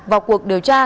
vào cuộc điều tra